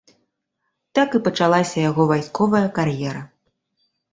Так і пачалася яго вайсковая кар'ера.